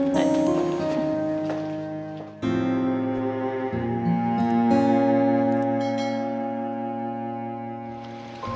masih pikirin ya